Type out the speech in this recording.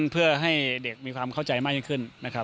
เพื่อให้เด็กมีความเข้าใจมากยิ่งขึ้นนะครับ